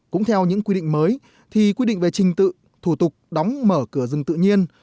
cũng theo những quy định mới thì quy định về trình tự thủ tục đóng mở cửa rừng tự nhiên